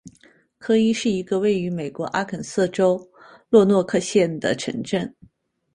科伊是一个位于美国阿肯色州洛诺克县的城镇。